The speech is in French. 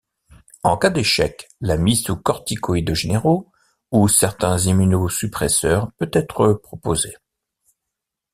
En cas d'échec, la mise sous corticoïdes généraux, ou certains immunosuppresseurs peut être proposée.